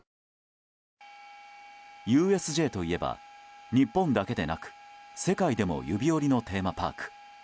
ＵＳＪといえば日本だけでなく世界でも指折りのテーマパーク。